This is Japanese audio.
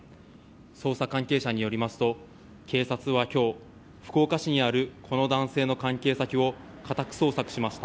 捜査関係者によりますと警察は今日福岡市にあるこの男性の関係先を家宅捜索しました。